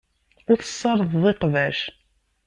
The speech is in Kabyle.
Ur tessardeḍ iqbac.